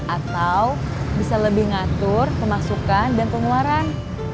atau bisa lebih ngatur pemasukan dan pengeluaran